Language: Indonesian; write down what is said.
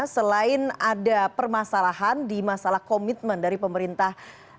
selain ada permasalahan di masalah komitmen dari pemerintah